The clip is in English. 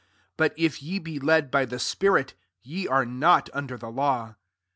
18 But if ye be led by the spirit, ye are not under the law.